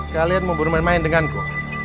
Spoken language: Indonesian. kalian mau bermain main denganku